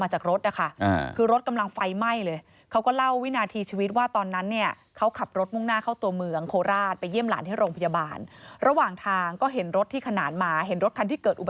หรือว่าเป็นยังไงสะหัสไหมอะไรอย่างนี้ครับ